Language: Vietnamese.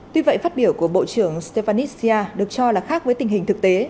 tuy vậy phát biểu của bộ trưởng stefanisia được cho là khác với tình hình thực tế